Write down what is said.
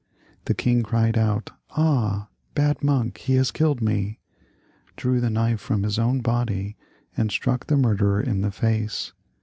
The king cried out, " Ah ! bad monk, he has killed me ;" drew the knife from his own body, and struck the murderer in the face.